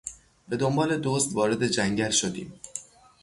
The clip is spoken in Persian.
به دنبال دزد وارد جنگل شدیم.